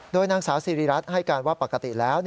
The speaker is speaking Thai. โดยนางสาวสิริรัตน์ให้การว่าปกติแล้ว